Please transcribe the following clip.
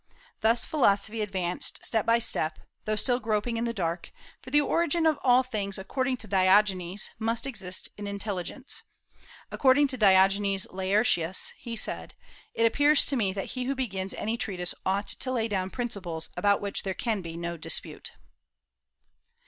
Thus philosophy advanced step by step, though still groping in the dark; for the origin of all things, according to Diogenes, must exist in intelligence. According to Diogenes Laertius, he said: "It appears to me that he who begins any treatise ought to lay down principles about which there can be no dispute."